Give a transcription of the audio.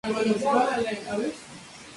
Se especializó en Filología Clásica.